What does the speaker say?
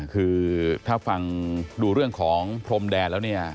คือถ้าฟังดูเรื่องของพรมแดนแล้วเนี่ย